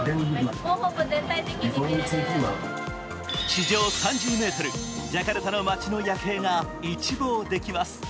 地上３０ｍ、ジャカルタの街の夜景が一望できます。